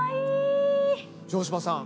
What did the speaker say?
城島さん